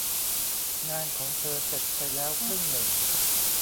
งานของเธอเสร็จไปแล้วครึ่งหนึ่ง